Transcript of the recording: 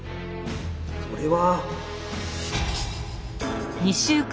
それは。